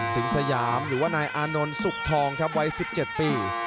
สยามหรือว่านายอานนท์สุกทองครับวัย๑๗ปี